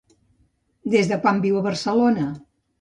Des de quan viu a Barcelona?